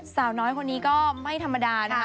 สาวน้อยคนนี้ก็ไม่ธรรมดานะคะ